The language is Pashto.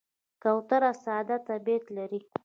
کوتره ساده طبیعت لري.